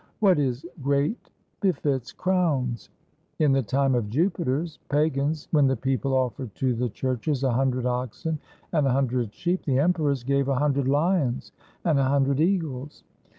What is great befits crowns. In the time of Jupiter's pagans, when the people offered to the churches a hun dred oxen and a hundred sheep, the emperors gave a hundred lions and a hundred eagles.